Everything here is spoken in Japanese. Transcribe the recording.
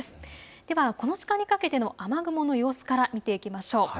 では、この時間にかけての雨雲の様子から見ていきましょう。